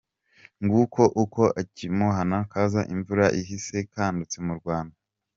Nguko uko ak’imuhana kaza imvura ihise kadutse mu Rwanda.